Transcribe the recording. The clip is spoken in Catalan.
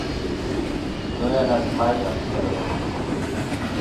No he anat mai a Emperador.